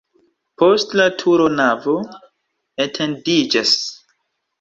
Post la turo navo etendiĝas.